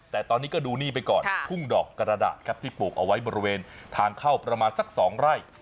แต่ตอนนี้ก็ดูนี่ไปก่อนทุ่งดอกกระดาษครับที่ปลูกเอาไว้บริเวณทางเข้าประมาณสัก๒ไร่